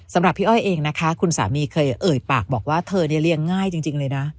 สำหรับพี่อ้อยเองนะคะคุณสามีเคยเอ่ยปากบอกว่าเธอเนี่ยเลี้ยงง่ายจริงเลยนะ